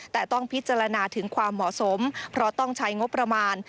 แต่ต้องพิจารณาถึงความเหมาะสมเพราะต้องใช้งบประมาณ